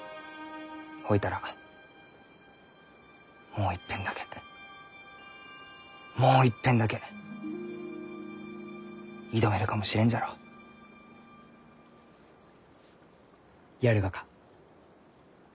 ほいたらもういっぺんだけもういっぺんだけ挑めるかもしれんじゃろう？やるがか？